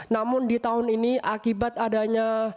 namun di tahun ini akibat adanya